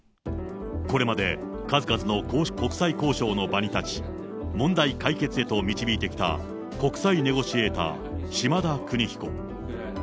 これまで数々の国際交渉の場に立ち、問題解決へと導いてきた国際ネゴシエーター、島田久仁彦。